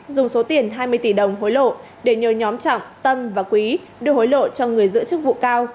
dùng số tiền hai mươi tỷ đồng hối lộ để nhờ nhóm trọng tâm và quý đưa hối lộ cho người giữ chức vụ cao